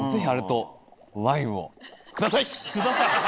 ください？